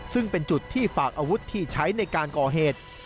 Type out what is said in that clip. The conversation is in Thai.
ซึ่งเป็นจุดที่ฝากอาวุธที่ใช้ในการก่อเหตุ